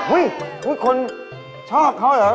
อุ๊ยคนชอบเขาเหรอ